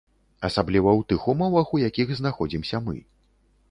Асабліва ў тых умовах, у якіх знаходзімся мы.